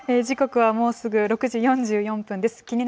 時刻はもうすぐ６時４４分です。